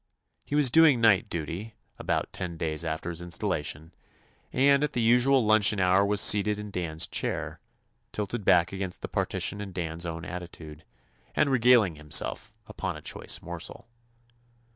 He was doing night duty about ten 177 THE ADVENTURES OF days after his installation, and at the usual luncheon hour was seated in Dan's chair, tilted back against the partition in Dan's own attitude, and regaling himself upon a choice morsel.